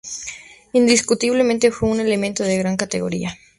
Indiscutible-mente fue un elemento de gran categoría.